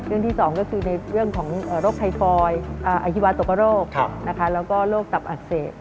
ที่๒ก็คือในเรื่องของโรคไทฟอยอฮิวาตกโรคแล้วก็โรคตับอักเสบ